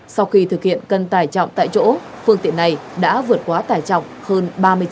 sau khi thực hiện cân tải trọng tại chỗ phương tiện này đã vượt quá tải trọng hơn ba mươi chín